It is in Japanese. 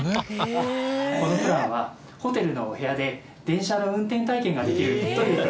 このプランはホテルのお部屋で電車の運転体験ができるというプランです。